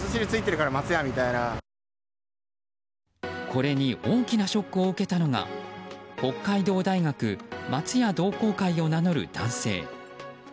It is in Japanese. これに大きなショックを受けたのが北海道大学松屋同好会を名乗る男性。